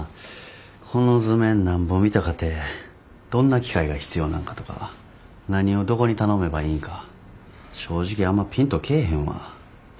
この図面なんぼ見たかてどんな機械が必要なんかとか何をどこに頼めばいいんか正直あんまピンと来ぇへんわ。